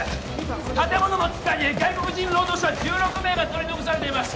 建物の地下に外国人労働者１６名が取り残されています